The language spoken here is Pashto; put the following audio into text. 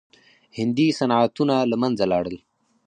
هندي صنعتونه له منځه لاړل.